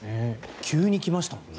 急に来ましたもんね。